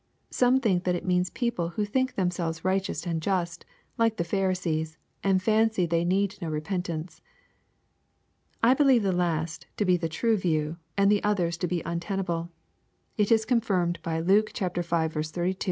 Some think that it means people who think themsehrea righteous and just, like the Pharisees, and fancy they need no re pentance. I believe the last to be the true view, and the others to be un tenable. It is confirme i by Luke v, 32 ; xvL 15 ; xviiL 9.